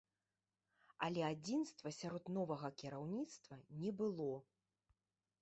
Але адзінства сярод новага кіраўніцтва не было.